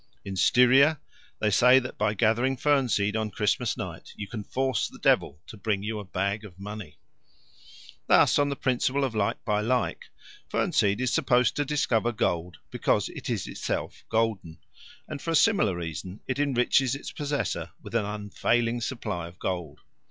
In Styria they say that by gathering fern seed on Christmas night you can force the devil to bring you a bag of money. Thus, on the principle of like by like, fern seed is supposed to discover gold because it is itself golden; and for a similar reason it enriches its possessor with an unfailing supply of gold.